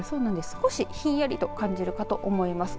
少し、ひんやりと感じられると思います。